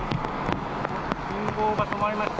信号が止まりました。